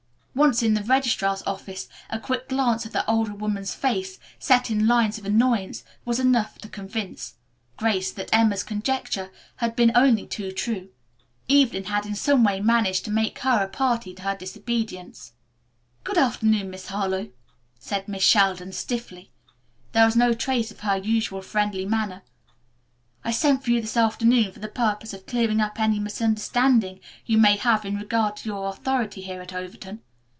Once in the registrar's office, a quick glance at the older woman's face, set in lines of annoyance, was enough to convince Grace that Emma's conjecture had been only too true. Evelyn had in some way managed to make her a party to her disobedience. "Good afternoon, Miss Harlowe," said Miss Sheldon stiffly. There was no trace of her usual friendly manner. "I sent for you this afternoon for the purpose of clearing up any misunderstanding you may have in regard to your authority here at Overton.